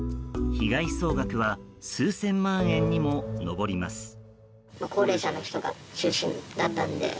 被害総額は数千万円にも上ります。